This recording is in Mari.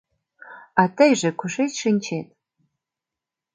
— А тыйже кушеч шинчет?